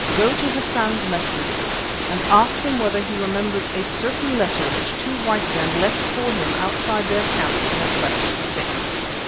Go to Hassan's messengers and ask him whether he remembers a certain letter which two white men left for him outside their camp in a cleft stick.